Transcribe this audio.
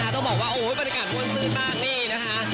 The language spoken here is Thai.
ต้องบอกว่าโอ้โฮโวนชื่นมากนี่นะคะ